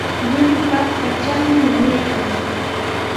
Llullupa patranmi nanaykan.